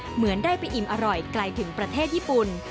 เหมือนได้ไปอิ่มอร่อยไกลถึงประเทศญี่ปุ่น